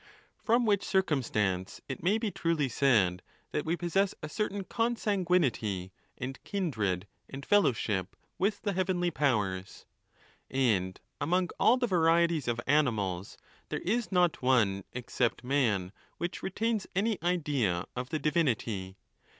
From which circumstance it may be truly said, that we possess a certain consanguinity, and kindred, and fellowship with the heavenly powers, And among all the varieties of animals, there is not one except man which retains any idea of the Divinity.